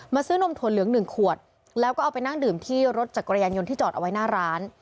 ซื้อนมถั่วเหลืองหนึ่งขวดแล้วก็เอาไปนั่งดื่มที่รถจักรยานยนต์ที่จอดเอาไว้หน้าร้าน